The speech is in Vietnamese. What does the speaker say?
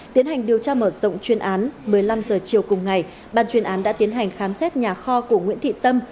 tiến hành điều tra mở rộng chuyên án một mươi năm h chiều cùng ngày ban chuyên án đã tiến hành khám xét nhà kho của nguyễn thị tâm